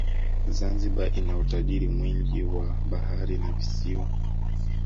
zanzibar ina utajiri mwingi wa bahari na visiwa